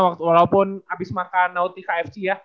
walaupun abis makan nauti kfc ya